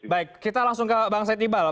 baik kita langsung ke bang setibal